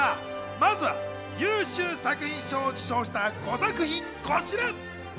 まずは優秀作品賞を受賞した５作品、こちら！